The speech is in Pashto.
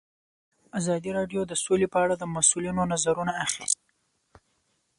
ازادي راډیو د سوله په اړه د مسؤلینو نظرونه اخیستي.